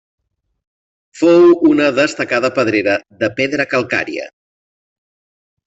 Fou una destacada pedrera de pedra calcària.